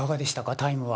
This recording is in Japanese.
タイムは。